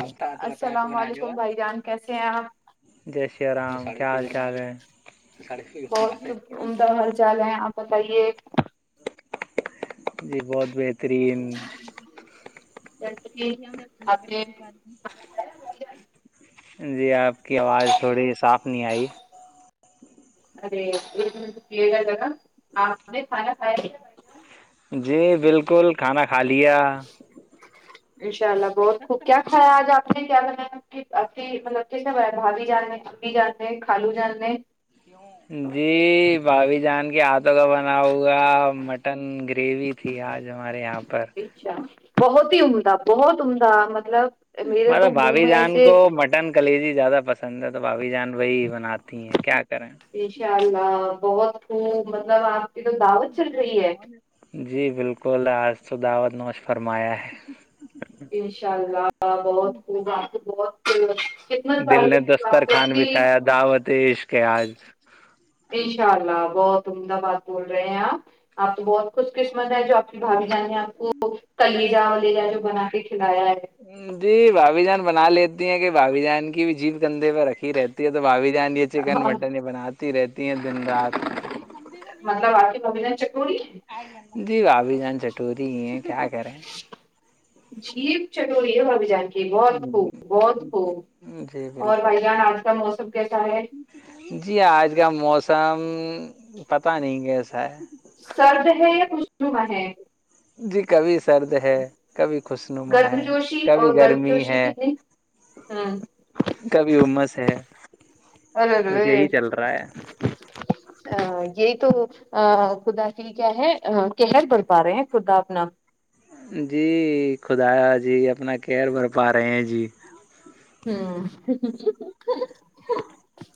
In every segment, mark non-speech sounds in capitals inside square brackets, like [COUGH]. بتا تو بتا تو السلام بجوا علیکم بھائی جان کیسے ہیں آپ جے شری رام کیا حال چال ہے بہت خوب عمدہ حال چال ہے آپ بتائیے جی بہت بہ ترین جیسے آپ نے کھانا کھایا بھائی جان؟ جی آپ کی آواز تھوڑی صاف نہیں آئی ارےا جگا آپ نے کھانا کھایا کی نہیں جی بالکل کھانا کھا لیا انشاء اللہ بہت خوب کیا کھایا آج آپ نے کیا بنے کہ ابھی مطلب کس نے بنایا بھابھی جان ہے پھوپپی جان ہے خالو جان ہے [INAUDIBLE] جی بھابھی جان کے ہاتھوں کا بنا ہوا مٹن گریوی تھی آج ہمارے یہاں پر اچھا بہت ہی عمدہ بہت عمدہ مطلب میرے مطلب تو منہ بھابھی میں جان ایسے کو مٹ مٹن کلیجی زیادہ پسند ہے تو بھابھی جان وہی بناتی ہیں کیا کریں انشاء اللہ بہت خوب مطلب آپ کی تو دعوت چل رہی ہے جی بالکل آج تو دعوت نوش فرمایا ہے انشاء اللہ بہت خوب آپ کو بہت ہے خدمت دل نے والی ہے تو آپ کو اتنی کے آج ان شاء اللہ بہت عمدہ بات بول رہے ہیں آپ تو بہت خوش قسمت ہے جو آپ کے بھابھی جان نے آپ کو کلیجا ولیجا جو بنا کے کھلایا ہے جی بھابی جان بنا لیتی ہیں کہ بھابی جان کی بھی جیب کندھے پر رکھی رہتی ہے تو بھابھی جان یہ چکن مٹن ہی بناتی رہتی ہیں دن رات مطلب آپ کی بھابھی جان چٹوری ہے جی بھابی جان چٹوری ہی ہے کیا کریں جیپ چٹوری ہے بھابی جان کی بہت خوب بہت خوب جی اور بھائی بالکل جان آج کا موسم کیسا ہے جی آج کا موسم پتہ نہیں کیسا ہے سرد ہے خوشنما ہے جی کبھی سرد ہے کبھی خوشنما گرم ہے جوشی اور کبھی گرم گرمی جوشی ہے کتنی ہ کبھی عمس ہے بس یہ ارے ہی چل رہا ہے یہی تو وہ آ خدا کی کیا ہے کیئہر بھر پا رہے ہیں خدا اپنا جی خدا جی اپنا کیئہر بھر پا رہے ہیں جی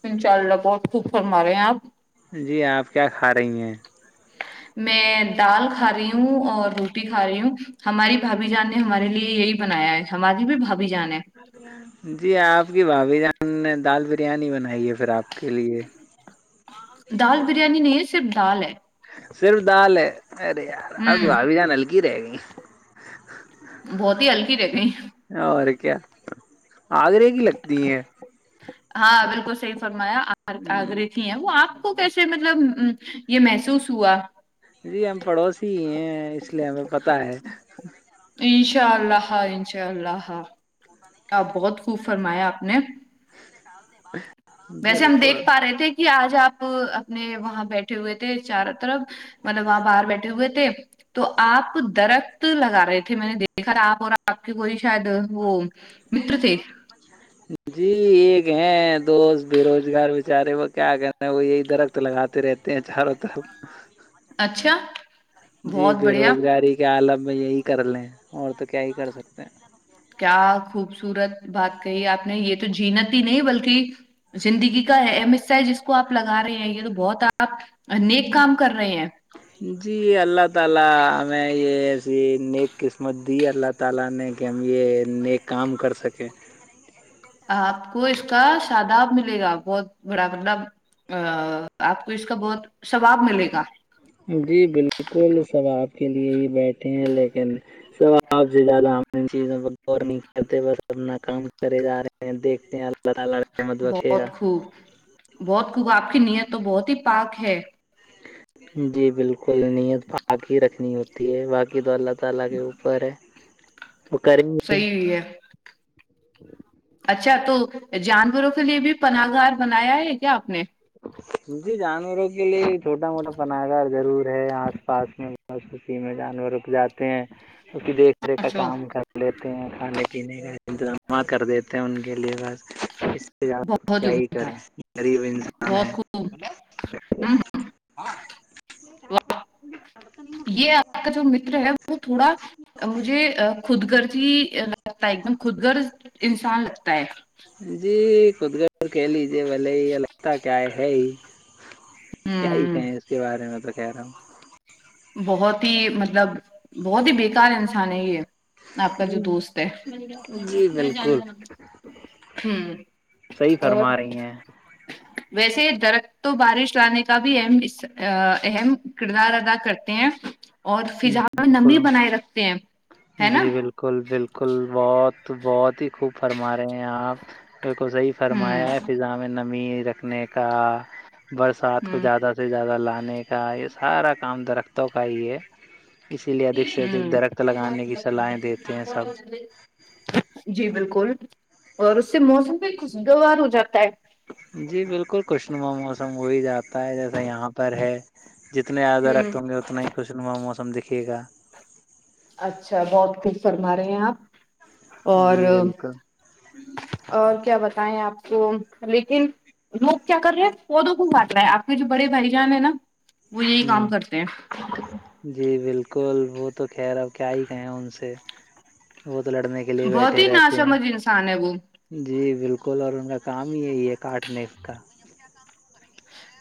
انشاء اللہ بہت خوب فرما رہے ہیں آپ جی آپ کیا کھا رہی ہیں میں دال کھا رہی ہوں اور روٹی کھا رہی ہوں ہماری بھابی جان نے ہمارے لیے یہ ہی بنایا ہے ہماری بھی بھابی جان ہے جی آپ کی بھابی جان نے دال بریانی بنائی ہے پھر آپ کے لیے دال بریانی نہیں ہے صرف دال ہے صرف دال ہے ارے یار آپ کی ہوں بھابی جان ہلکی رہ گئی بہت ہی ہلکی رہگئی اور کیا آگرے کی لگتی ہیں ہاں بالکل صحیح فرمایا ہ آگرے کی وہ آپ کو کیسے مطلب یہ محسوس ہوا جی ہم پڑوسی ہی ہیں اس لیے ہمیں پتہ ہے انشاء اللہ ہاں انشاء اللہ ہاں آپ بہت خوب فرمایا آپ نے ویسے ہم دیکھ بالکل پا رہے تھے کہ آج آپ اپنے وہاں بیٹھے ہوئے تھے چاروں طرف مطلب وہاں باہر بیٹھے ہوئے تھے تو آپ درخت لگا رہے تھے میں نے دیکھا آپ اور آپ کی کوئی شاید وہ متر تھے جی ایک ہے دوست بے روزگار بیچارے وہ کیا کرتا وہ یہی درخت لگاتے رہتے تہ چار [UNINTELLIGIBLE] اچھا جی بہت بے بڑھیا روزگاری کے عالم میں یہ ہی کر لیں اور تو کیا ہی کر سکتے ہیں کیا خوبصورت بات کہی آپ نے یہ تو جینتی ہی نہیں بلکہ زندگی کا ہے اہم حصہ ہیں جس کو آپ لگا رہے ہیں یہ تو بہت آپ نیک کام کر رہے ہیں جی اللہ تعالی ہمیں یہ ایسی نیک قسمت دی اللہ تعالی نے کہ ہم یہ نیک کام کر سکیں آپ کو اس کا ساداب ملے گا بہت بڑا مطلب ا آپ کو اس کا بہت ثواب ملے گا جی بالکل ثواب کے لیے ہی بیٹھے ہیں لیکن ثواب سے زیادہ چیزوں کو غور نہیں کرتے بس اپنا کام کرے جا رہے ہیں دیکھتے ہیں اللہ تعالی [UNINTELLIGIBLE] گا ہوں بہت خوب آپ کی نیت تو بہت ہی پاک ہے جی بالکل نیت پاک ہی رکھنی ہوتی ہے باقی تو اللہ تعالی کے اوپر ہے وہ کریں گے [UNINTELLIGIBLE] اچھا تو جانوروں کے لیے بھی پناہ گاہ بنایا ہے کیا آپ نے جی جانوروں کے لیے چھوٹا موٹا پناہ گاہ ضرور ہے آس پاس میںوی میں جانور رک جاتے ہیں اس کی دیکھ ریکھ کا اچھا کام کر لیتے ہیں کھانے پینے کا انتظامات کر دیتے ہیں ان کے لیے بس اس سے زیادہ بہت کیا ہی عمدہ کریں غریب انسان بہت ہے خوب ہم، یہ آپ کا جو متر ہے وہ تھوڑا مجھے خود غرضی لگتا ہے ایک دم خود غرض انسان لگتا ہے جی خود غرض ہی کہہ لیجے بھلے لگتا کیا ہے ہے ہی کیا ہی ہوں کہیں اس کے بارے میں تو کہہ رہا ہوں بہت ہی مطلب بہت ہی بےکار انسان ہے یہ آپ کا جو ہوں دوست ہے جی بالکل ہوں صحیح اور فرما رہی ہیں ویسے یہ درخت تو بارش لانے کا بھی ام حص اہم کردار ادا کرتے ہیں اور فضا میں نمی بالکل بنائے رکھتے ہیں ہے نا جی بالکل بالکل بہت بہت ہی خوب فرما رہے ہیں آپ بالکل صحیح ہوں فرمایا ہے فضا میں نمی رکھنے کا برسات کو ہوں زیادہ سے زیادہ لانے کا یہ سارا کام درختوں کا ہی ہے اسی لیے ادھک سے ادھک درخت لگانے کی صلاحیں دیتے ہیں سب ہوں جی بالکل اور اس سے موسم بھی خوشگوار ہو جاتا ہے جی بالکل خوش نما موسم ہو ہی جا تا ہے جیسا یہاں پر ہے جتنے آیادہ رکھتے ہوں گے اتنا ہی خوش نما موسم دیکھے گا اچھا بہت خوب فرما رہے ہیں آپ اور جی بالکل اور کیا بتائیں آپ کو لیکن لوگ کیا کر رہے ہیں پودوں کو کاٹ رہا ہے آپ کے جو بڑے بھائی جان ہیں نا وہ یہی ہوں کام کرتے ہیں جی بالکل وہ تو خیر اب کیا ہی کہیں ہیں ان سے وہ تو لڑنے کے لیے بہت بیٹھے ہی نا رہتے ہیں سمجھ انسان ہے وہ جی بالکل اور ان کا کام ہی یہی ہے کاٹنے کا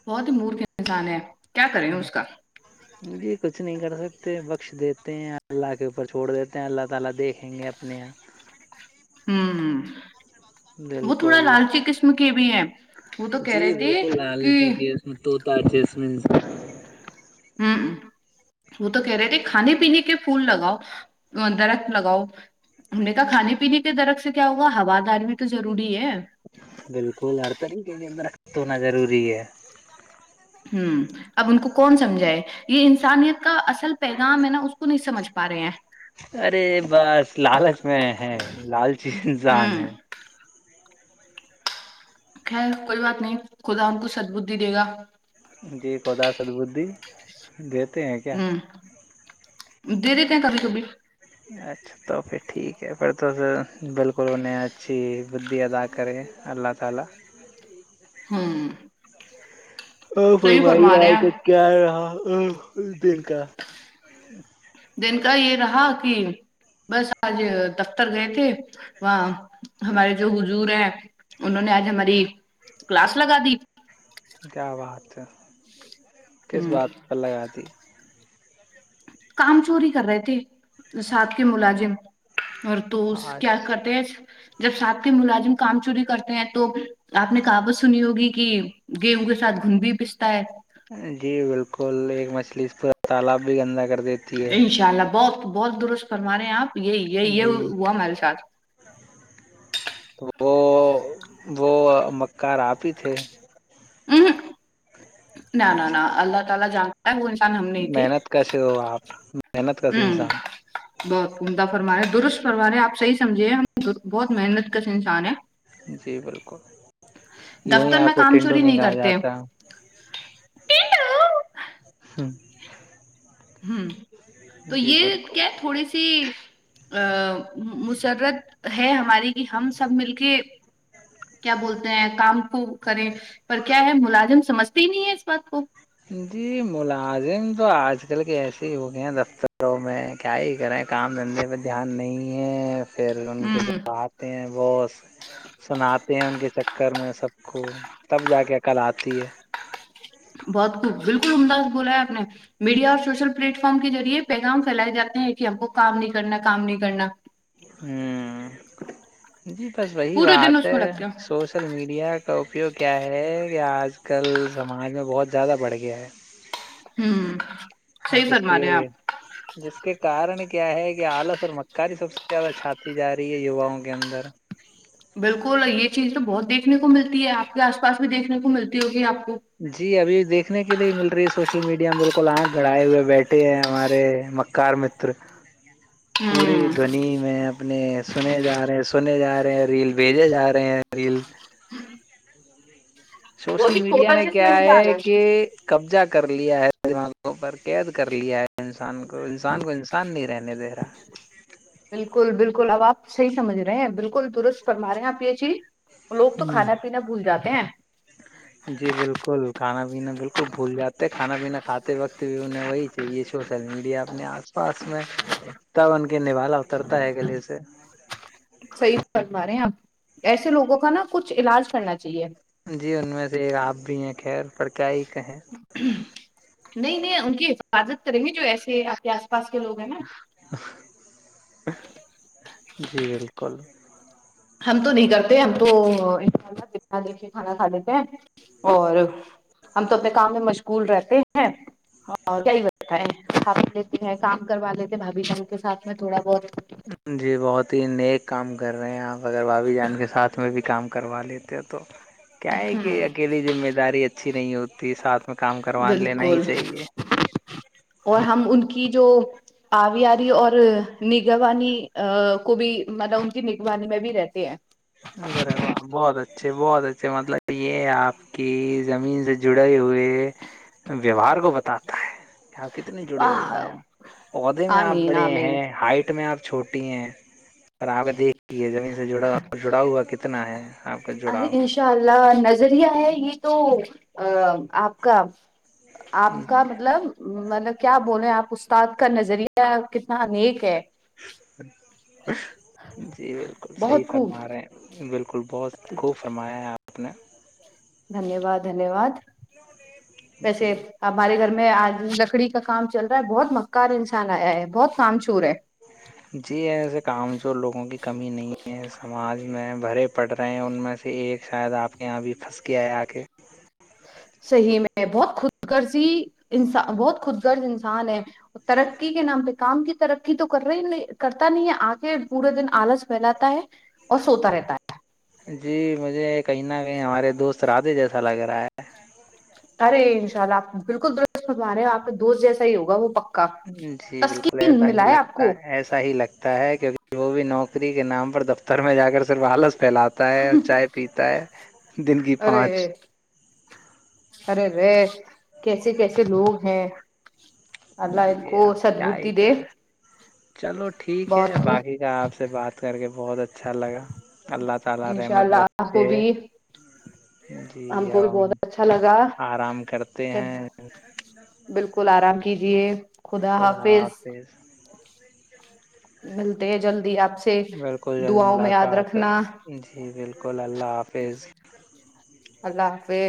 بہت ہی مورکھ انسان ہے کیا کریں اس کا جی کچھ نہیں کر سکتے بخش دیتے ہیں اللہ کے اوپر چھوڑ دیتے ہیں اللہ تعالی دیکھ [UNINTELLIGIBLE] ہوں وہ تھوڑا بالکل لالچی قسم کے بھی ہے وہ تو کہہ رہے تھے کہ دو دو ارجسٹ منٹس ہوں وہ تو کہہ رہے تھے کھانے پینے کے پھول لگاؤ درخت لگاؤ ہم نے کہا کھانے پینے کے درخت سے کیا ہوا ہوا دار بھی تو ضروری ہے بالکل ہرتاریخ اندر تو ہونا ضروری ہے ہوں اب ان کو کون سمجھائے یہ انسانیت کا اصل پیغام ہے نا اس کو نہیں سمجھ پا رہے ہیں ارے بس لالچ میں ہے لالچی انسان ہوں ہے خیر کوئی بات نہیں خدا ان کو سدبدی دے گا جی خدا سدبدی دیتے ہیں کیا ہوں دے دیتے ہیں کبھی کبھی اچھا تو پھر ٹھیک ہے پھر تو بالکل انہیں اچھی بدی عطا کریں اللہ تعالی ہوں اور صحیح فرمائیے فرما رہے ہیں آج کا آپ۔ کیا رہا دن کا دن کا یہ رہا کہ بس آج دفتر گئے تھے وہاں ہمارے جو حضور ہیں انہوں نے آج ہماری کلاس لگا دی کیا بات ہے کس ہ بات پر لگا دی کام چوری کر رہے تھے ساتھ کے ملازم اور تو س کیا اچھا کرتے ہیں جب ساتھ کے ملازم کام چوری کرتے ہیں تو آپ نے کہاوت سنی ہوگی کہ گیہوں کے ساتھ گھن بھی پستا ہے جی بالکل ایک مچھلی اس پورا تالاب بھی گندا کر دیتی ہے ان شاء اللہ بہت بہت درست فرما رہے ہیں آپ یہ یہ یہ جی ہوا ہمارے ساتھ تو وہ وہ مکار آپ ہی تھے ہ نہ نہ اچھا نہ اللہ تعالی جانتا ہے وہ انسان ہم نہیں تھے تو آپ میں ہوں بہت عمدہ فرما رہے درست فرما رہے آپ صحیح سمجھیے بہت محنت کش انسان ہیں جی بالکل یوں ہی دفتر آپ کو ٹینڈو نہیں کہا جاتا ٹینڈو ہوں ہوں تو جی یہ بالکل کیا ہے تھوڑی سی آ مسرت ہے ہماری بھی ہم سب مل کے کیا بولتے ہیں کام کو کریں پر کیا ہے ملازم سمجھتے ہی نہیں ہے اس بات کو جی ملازم تو آج کل کے ایسے ہی ہو گئے ہیں دفتر وں میں کیا ہی کریں کام دھندے پہ دھیان نہیں ہے پھر ان کے ہوں جوابات تے ہیں بس سناتے ہیں ان کے چکر میں سب کو تب جا کے عقل آتی ہے بہت خوب بالکل عمدہ بولا ہے آپ نے میڈیا اور سوشل پلیٹ فارم کے ذریعے پیغام پھیلائے جاتے ہیں کہ ہم کو کام نہیں کرنا کام نہیں کرنا ہوں جی بس وہی پورے بات دن اس ہے میں لگتے ہیں سوش ل میڈیا کا اپیوگ کیا ہے کہ آج کل سماج میں بہت زیادہ بڑھ گیا ہے ہوں اور صحیح جس کے فرما رہے ہیں آپ جس کے کارن کیا ہے کہ آلس اور مکاری سب سے زیادہ چھاتی جا رہی ہے یواؤں کے اندر بالکل یہ چیز تو بہت دیکھنے کو ملتی ہے آپ کے آس پاس بھی دیکھنے کو ملتی ہوگی آپ کو جی ابھی دیکھنے کے لیے مل رہی ہے سوشل میڈیا میں بالکل آنگ گڑھائے ہوئے بیٹھے ہیں ہمارے کار متر [INAUDIBLE] پوری دونی میں اپنے سنے جا رہے ہیں سنے جا رہے ہیں ریل بھیجے جا رہے ہیں ریل وہ سوشل بھی میڈیا چھوٹا نے جس میں کیا ہے انسان کہ قبضہ کر لیا ہے دماغوں پر قید کر لیا ہے انسان کو انسان کو انسان نہیں رہنے دے رہا بالکل بالکل اب آپ صحیح سمجھ رہے ہیں بالکل درست فرما رہے ہیں آپ یہ چیز لوگ تو ہے۔ کھانا ہوں پینا بھول جاتے ہیں جی بالکل کھانا پینا بالکل بھول جاتے کھانا پینا کھاتے وقت بھی انہیں وہی یہ سوشل میڈیا اپنے آس پاس میں تب ان کے نوالہ اترتا ہے گلے سے صحیح فرمارہے ہیں آپ ایسے لوگوں کا نا کچھ علاج کرنا چاہیے جی ان میں سے ایک آپ بھی ایک ہیں خیر پر کیا ہی کہیں نہیں نہیں ان کی حفاظت کریں گے جو ایسے آپ کے آس پاس کے لوگ ہیں نا جی بالکل ہم تو نہیں کرتے ہم تو انشاء اللہ بنا دیکھے کھانا کھا لیتے ہیں اور ہم تو اپنے کام میں مشغول رہتے ہیں کام کروا لیتے بھابھی جان کے سات میں تھوڑا بہت جی بہت ہی نیک کام کر رہے ہیں آپ اگر بھابی جان کے ساتھ میں بھی کام کروا لیتے ہیں تو کیا ہے ہوں کہ اکیلی ذمہ داری اچھی نہیں ہوتی ساتھ میں کام کروا لینا ہی بالکل چاہیے اور ہم ان کی جو آویاری اور نگوانی کو بھی مطلب ان کی نگوانی میں بھی رہتے ہیں ارے واہ بہت اچھے بہت اچھے مطلب یہ آپ کہ زمین سے جڑے ہی ہوئےہے ویوہار کو بتاتا ہے کہ آپ کتنے جڑے ہوئے آہ ہیں عہدے میں آپ آمین بڑے آمین ہیں ہائٹ میں آپ چھوٹے ھٹی ہیں پر آپ دیکھے زمین سے جڑا جڑا ہوا کتنا ہے آپ کا ارے جڑاؤ انشاء اللہ نظریہ ہے یہ تو آپ کا آپ کا مطلب مطلب کیا بولے آپ استاد کا نظریہ کتنا انیک ہے جی بالکل صحیح بہت خوب فرما رہے ہیں بالکل بہت خوب فرمایا ہے آپ نے دھنیہ واد دھنیہ واد ویسے جی ہمارے گھر میں آج لکڑی کا کام چل رہا ہے بہت مکار انسان آیا ہے بہت کام چور ہے جی ایسے کام چور لوگوں کی کمی نہیں ہے سماج میں بھرے پڑ رہے ہیں ان میں سے ایک شاید آپ کے یہاں بھی پھنس گیا ہے آ کے صحیح میں بہت خود گرضی انسان بہت خود غرض انسان ہے ترقی کے نام پہ کام کی ترقی تو کر رہے نہیں کرتا نہیں ہے آکے پورے دن آلس پھیلاتا ہے اور سوتا رہتا ہے جی مجھے کہیں نہ کہیں ہمارے دوست رادھے جیسا لگ رہا ہے ارے انشاء اللہ آپ بالکل درست منواے ہیں آپ کے دوست جیسا ہی ہوگا وہ پک جی بالکل ایسا ہی لگتا کو ایسا ہی لگتا ہے کیونکہ جو بھی نوکری کے نام پر دف تر میں جا کر صرف آلس پھیلاتا ہے اور چائے پیتا ہے دن کی ارے پانچ ارے رے کیسے کیسے لوگ ہیں اللہ ان جی کو اب کیا ہی سدبدھی دے کریں چلو ٹھیک ہے بہت باقی کا آپ سے بات کر کے بہت اچھا لگا اللہ تعالی انشاء رحمت اللہ آپ کو بخشں بھی جی کو اب بھی ہم بہت اچھا لگا آرام کرتے پھر ہیں بالکل آرام کیجیے خدا حافظ ملتے ہیں جلدی آپ سے بالکل جلد دعاوں میں یاد ملاقات رکھنا جی بالکل اللہ حافظ اللہ حافظ